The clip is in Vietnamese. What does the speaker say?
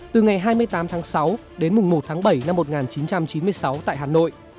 từ ngày hai mươi tám tháng sáu đến mùng một tháng bảy năm một nghìn chín trăm chín mươi sáu tại hà nội